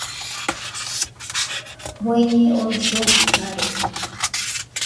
Bueñe oo ɨfogɨ garede.